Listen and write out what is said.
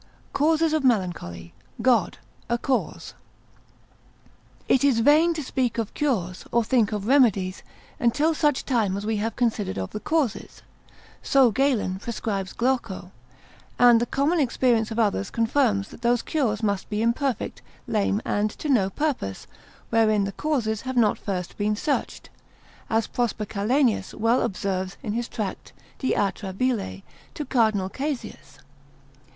—Causes of Melancholy. God a cause. It is in vain to speak of cures, or think of remedies, until such time as we have considered of the causes, so Galen prescribes Glauco: and the common experience of others confirms that those cures must be imperfect, lame, and to no purpose, wherein the causes have not first been searched, as Prosper Calenius well observes in his tract de atra bile to Cardinal Caesius.